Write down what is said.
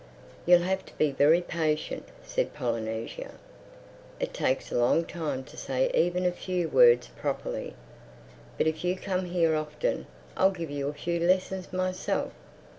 "You'll have to be very patient," said Polynesia. "It takes a long time to say even a few words properly. But if you come here often I'll give you a few lessons myself.